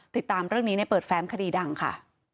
ติดตามเรื่องนี้ในเปิดแฟ้มคดีดังค่ะ